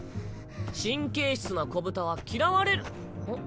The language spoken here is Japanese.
神経質な小豚は嫌われるん？